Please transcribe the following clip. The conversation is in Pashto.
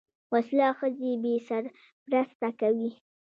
وسله ښځې بې سرپرسته کوي